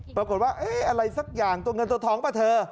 ปรากฏว่าอะไรสักอย่างตัวเงินตัวทองป่ะเธอ